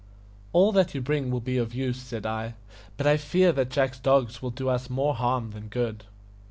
"All that you bring will be of use," said I; "but I fear that Jack's dogs will do us more harm than good."